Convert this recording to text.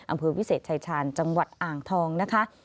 อำเภอวิเศษชายชาญจังหวัดอ่างทองนะคะ